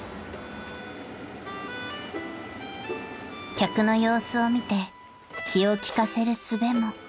［客の様子を見て気を利かせるすべも］